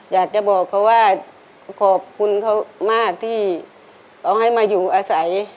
อยากจะบอกเขาว่าขอบคุณเขามากที่เขาให้มาอยู่อาศัย